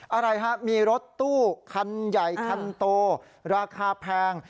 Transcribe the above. อะไรฮะมีรถตู้คันใหญ่คันโตราคาแพง